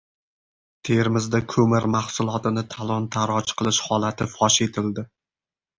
Termizda ko‘mir mahsulotini talon-toroj qilish holati fosh etildi